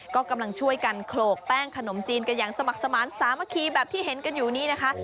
ก็กำลังช่วยกันโขลกแป้งขนมจีนกันอย่างสมัครสมาธิสามัคคีแบบที่เห็นกันอยู่นี้นะคะ